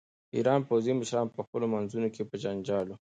د ایران پوځي مشران په خپلو منځونو کې په جنجال وو.